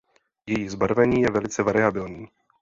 Její zbarvení je velice variabilní.